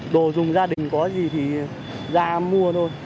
đồ dùng gia đình có gì thì ra mua thôi